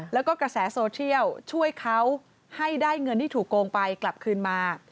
แล้วก็กระแสโซเชียลช่วยเขาให้ได้เงินที่ถูกโกงไปกลับคืนมา